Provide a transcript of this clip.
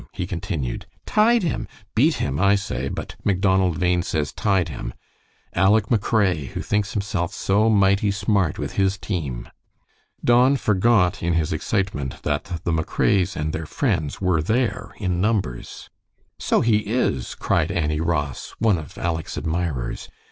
he continued. "Tied him! Beat him, I say, but Macdonald Bhain says 'Tied him' Aleck McRae, who thinks himself so mighty smart with his team." Don forgot in his excitement that the McRaes and their friends were there in numbers. "So he is," cried Annie Ross, one of Aleck's admirers.